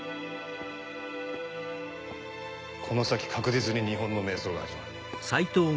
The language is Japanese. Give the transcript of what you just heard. この先確実に日本の迷走が始まる。